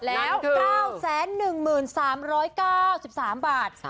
แล้ว๙๑๓๙๓บาท